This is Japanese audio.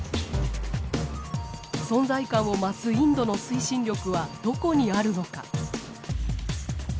存在感を増すインドの推進力はどこにあるのか。